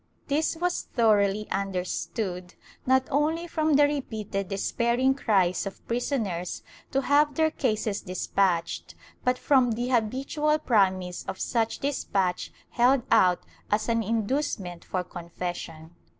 This was thoroughly under stood, not only from the repeated despairing cries of prisoners to have their cases despatched, but from the habitual promise of such despatch held out as an inducement for confession.